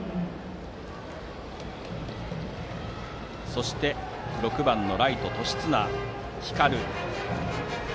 そして６番のライト、年綱皓。